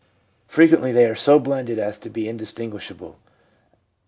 Frequently they are so blended as to be indistinguish able.